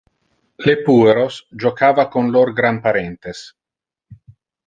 Le pueros jocava con lor granparentes.